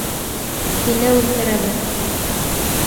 Һине үлтерәбеҙ.